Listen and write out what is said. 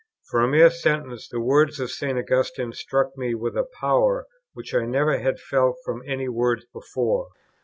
For a mere sentence, the words of St. Augustine, struck me with a power which I never had felt from any words before.